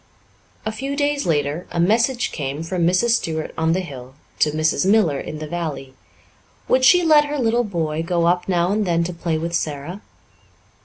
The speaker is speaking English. A few days later a message came from Mrs. Stuart on the hill to Mrs. Miller in the valley. Would she let her little boy go up now and then to play with Sara?